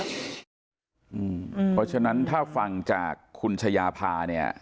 เพราะฉะนั้นถ้าฟังจากคุณชายาพาเนี่ย